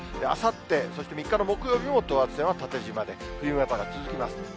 あさって、そして３日の木曜日も等圧線縦じまで、冬型が続きます。